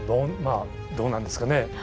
どうなんですかね。